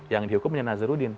yang dihukumnya nazarudin